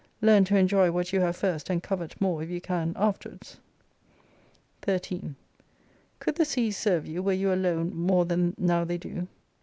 Learn to enjoy what you have first, and covet more if you can afterwards. 13 Could the seas serve you were you alone more than now they do